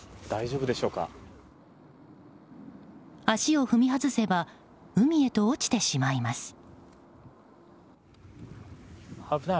足を踏み外せば海へと落ちてしまいます。